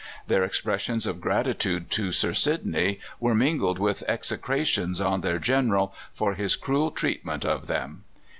Their expressions of gratitude to Sir Sidney were mingled with execrations on their General for his cruel treatment of them.